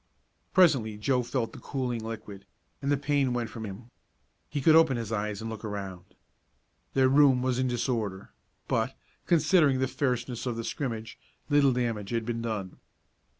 Presently Joe felt the cooling liquid, and the pain went from him. He could open his eyes and look about. Their room was in disorder, but, considering the fierceness of the scrimmage, little damage had been done.